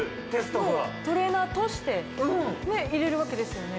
トレーナーとしていれるわけですよね。